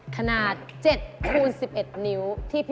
ขนาด๗คูณ๑๑นิ้ว